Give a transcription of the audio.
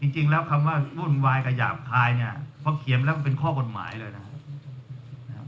จริงแล้วคำว่าวุ่นวายกับหยาบคายเนี่ยเขาเขียนแล้วมันเป็นข้อกฎหมายเลยนะครับ